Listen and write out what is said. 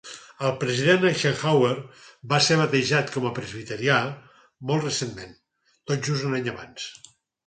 El President Eisenhower va ser batejat com a presbiterià molt recentment, tot just un any abans.